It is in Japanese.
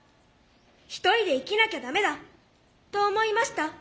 一人で生きなきゃ駄目だと思いました。